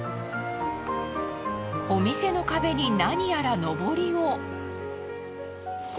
お店の壁になにやらのぼりを。